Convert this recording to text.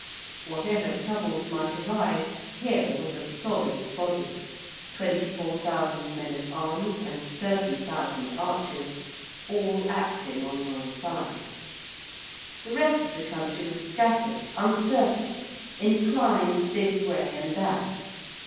Whatever troubles might arise, here was a solid body '24,000 men at arms and 30,000 archers,' all acting on one side. The rest of the country was scattered, uncertain, inclined this way and that.